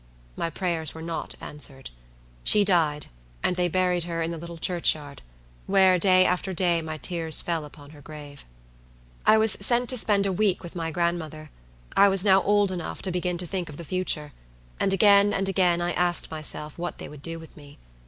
My prayers were not answered. She died, and they buried her in the little churchyard, where, day after day, my tears fell upon her grave. I was sent to spend a week with my grandmother. I was now old enough to begin to think of the future; and again and again I asked myself what they would do with me.